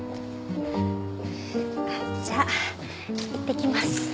じゃあいってきます。